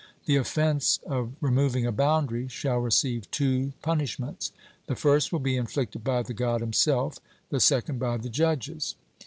The offence of removing a boundary shall receive two punishments the first will be inflicted by the God himself; the second by the judges.